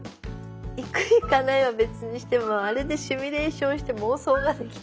行く行かないは別にしてもあれでシミュレーションして妄想ができた。